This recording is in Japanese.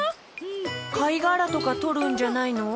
かいがらとかとるんじゃないの？